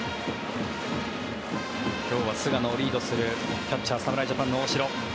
今日は菅野をリードするキャッチャー侍ジャパンの大城。